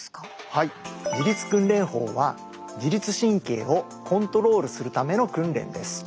はい自律訓練法は自律神経をコントロールするための訓練です。